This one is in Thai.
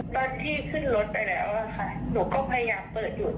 ตอนที่ขึ้นรถไปแล้วค่ะหนูก็พยายามเปิดอยู่